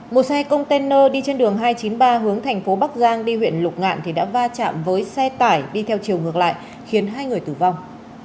một xe container đi trên đường hai trăm chín mươi ba hướng thành phố bắc giang đi huyện lục ngạn thì đã va chạm với xe tải đi theo chiều ngược lại khiến hai người tử vong